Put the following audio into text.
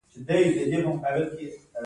د کمعقلتوب دلیل یې نلرم.